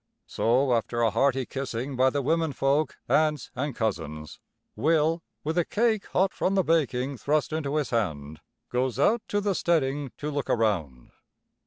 So, after a hearty kissing by the womenfolk, aunts and cousins, Will, with a cake hot from the baking thrust into his hand, goes out to the steading to look around.